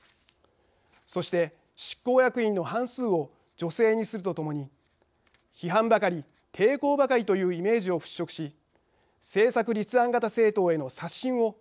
そして執行役員の半数を女性にするとともに批判ばかり抵抗ばかりというイメージを払しょくし政策立案型政党への刷新を目指しています。